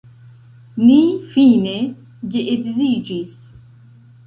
Ni fine geedziĝis.